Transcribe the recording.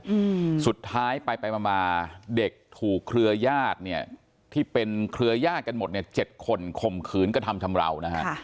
อืมสุดท้ายไปไปมามาเด็กถูกเครือญาติเนี่ยที่เป็นเครือยาศกันหมดเนี่ยเจ็ดคนข่มขืนกระทำชำราวนะฮะค่ะ